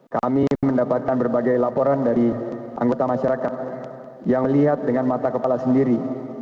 kami mendapatkan berbagai laporan dari anggota masyarakat yang melihat dengan mata kepala sendiri